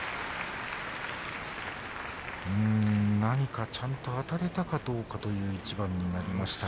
何か、ちゃんとあたれたかどうかという一番です。